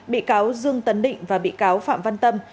bị cáo dương tấn định và bị cáo phạm văn tâm